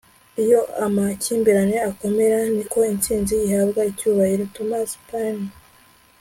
iyo amakimbirane akomera, niko intsinzi ihabwa icyubahiro. - thomas paine